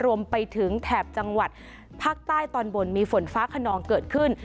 รวมไปถึงแถบจังหวัดภาคใต้ตอนบนมีฝนฟ้าขนองเกิดขึ้น